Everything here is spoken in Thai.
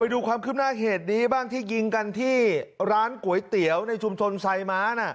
ดูความขึ้นหน้าเหตุนี้บ้างที่ยิงกันที่ร้านก๋วยเตี๋ยวในชุมชนไซม้า